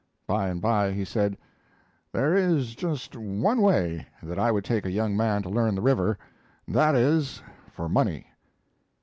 By and by he said: "There is just one way that I would take a young man to learn the river: that is, for money."